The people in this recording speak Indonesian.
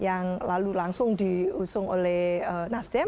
yang lalu langsung diusung oleh nasdem